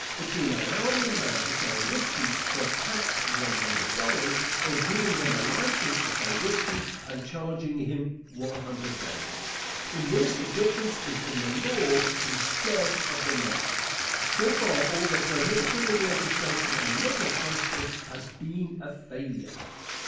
_, between allowing a man to sell whiskey for a tax of one hundred dollars or giving him a license to sell whiskey and charging him one hundred dollars. In this, the difference is in the law instead of the money. So far all the prohibitory legislation on the liquor question has been a failure.